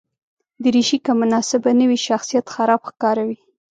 دریشي که مناسبه نه وي، شخصیت خراب ښکاروي.